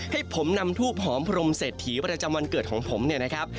ให้ผมนำทูบหอมพรมเศรษฐีประจำวันเกิดของผมเนี่ยนะครับ